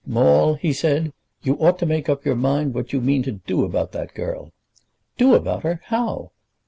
"Maule," he said, "you ought to make up your mind what you mean to do about that girl." "Do about her! How?"